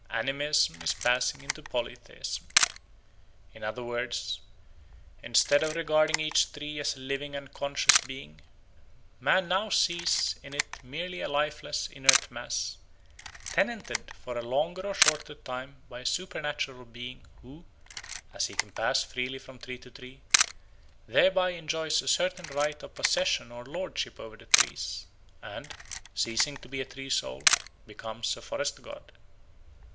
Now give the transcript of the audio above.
Animism is passing into polytheism. In other words, instead of regarding each tree as a living and conscious being, man now sees in it merely a lifeless, inert mass, tenanted for a longer or shorter time by a supernatural being who, as he can pass freely from tree to tree, thereby enjoys a certain right of possession or lordship over the trees, and, ceasing to be a tree soul, becomes a forest god.